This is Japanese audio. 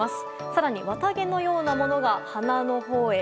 更に、綿毛のようなものが花のほうへ。